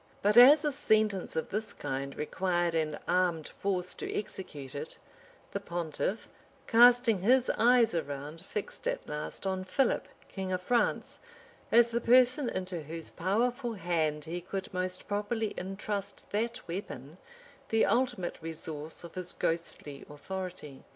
] But as a sentence of this kind required an armed force to execute it, the pontiff, casting his eyes around, fixed at last on Philip, king of France, as the person into whose powerful hand he could most properly intrust that weapon, the ultimate resource of his ghostly authority.